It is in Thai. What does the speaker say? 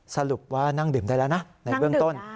สรุปว่านั่งดื่มได้แล้วนะในเบื้องต้น